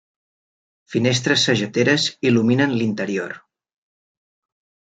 Finestres sageteres il·luminen l'interior.